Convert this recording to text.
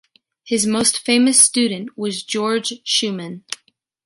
His most famous student was Georg Schumann.